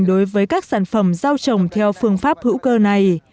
đối với các sản phẩm rau trồng theo phương pháp hữu cơ này